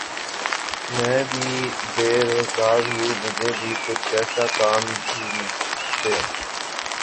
میں بھی بے روزگار ہوں مجھے بھی کچھ ایسا کام ڈھونڈ دیں